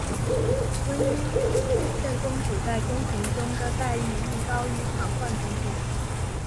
温宪公主在宫廷中的待遇亦高于惯常公主。